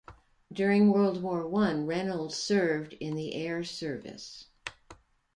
During World War One, Reynolds served in the Air Service.